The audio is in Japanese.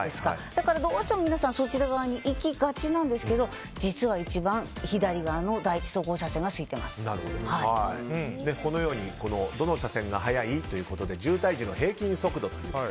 だから、どうしても皆さんそちら側に行きがちですが実は一番左側の第１走行車線がこのようにどの車線が早い？ということで渋滞時の平均速度。